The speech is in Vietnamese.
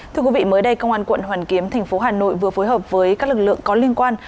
thưa quý vị mới đây công an quận hoàn kiếm thành phố hà nội vừa phối hợp với các lực lượng có liên quan